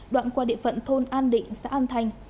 đoạn qua địa phận thôn an định xã an thanh